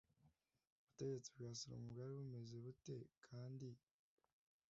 Ubutegetsi bwa Salomo bwari bumeze bute kandi